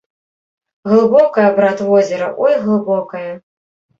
Глыбокае, брат, возера, ой, глыбокае!